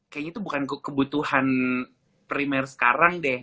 kayaknya itu bukan kebutuhan primer sekarang deh